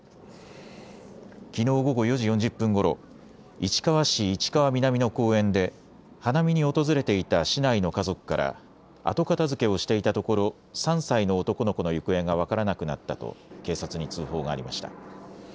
きのう午後４時４０分ごろ、市川市市川南の公園で花見に訪れていた市内の家族から後片づけをしていたところ３歳の男の子の行方が分からなくなったと警察に通報がありました。